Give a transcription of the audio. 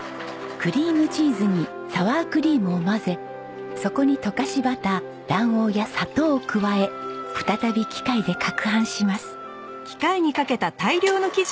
クリームチーズにサワークリームを混ぜそこに溶かしバター卵黄や砂糖を加え再び機械で撹拌します。